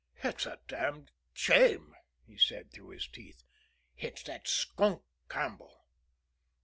"It's a damned shame!" he said, through his teeth. "It's that skunk Campbell."